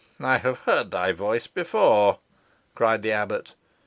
I have heard thy voice before," cried the abbot.